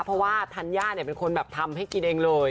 เพราะว่าธัญญาเนี่ยเป็นคนแบบทำให้กินเองเลย